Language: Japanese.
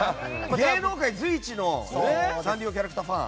芸能界随一のサンリオキャラクターファン。